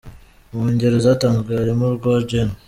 Mu ngero zatanzwe harimo urwa Gen.